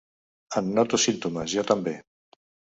En noto símptomes, jo també.